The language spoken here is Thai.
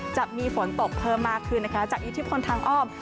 จะมีฝนตกเพิ่มมากขึ้นนะคะจากอิทธิพลทางอ้อม